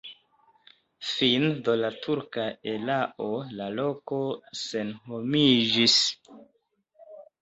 Fine de la turka erao la loko senhomiĝis.